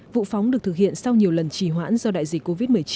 vụ phóng được thực hiện sau nhiều lần trì hoãn do đại dịch covid một mươi chín